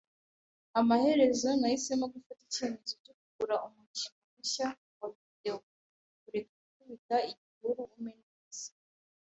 Amaherezo, nahisemo gufata icyemezo cyo kugura umukino mushya wa videwo. Reka kureka gukubita igihuru umpe neza!